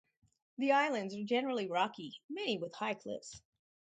The islands are generally rocky, many with high cliffs.